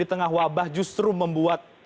di tengah wabah justru membuat